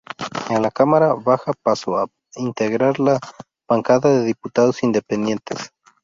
En la Cámara baja pasó a integrar la bancada de diputados independientes.